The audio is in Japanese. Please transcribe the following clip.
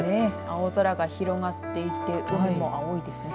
青空が広がっていて空も青いですね。